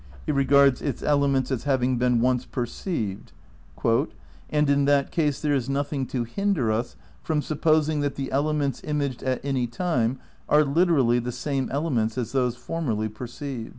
He regards its "ele ments" as having been once perceived, "and in that ease there is nothing to hinder us from supposing that the elements imaged at any time are literally the same elements as those formerly perceived."